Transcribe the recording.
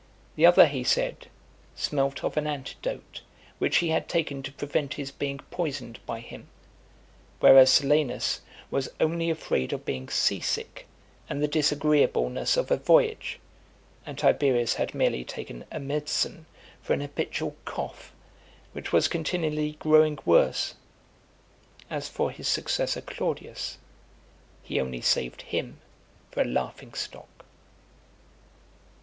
The other, he said, smelt of an antidote, which he had taken to prevent his being poisoned by him; whereas Silanus was only afraid of being sea sick, and the disagreeableness of a voyage; and Tiberius had merely taken a medicine for an habitual cough, (268) which was continually growing worse. As for his successor Claudius, he only saved him for a laughing stock.